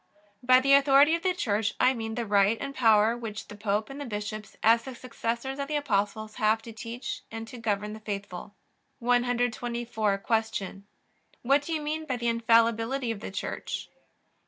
By the authority of the Church I mean the right and power which the Pope and the bishops, as the successors of the Apostles, have to teach and to govern the faithful. 124. Q. What do you mean by the infallibility of the Church?